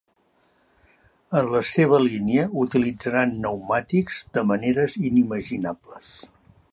En la seva línia, utilitzaran pneumàtics de maneres inimaginables.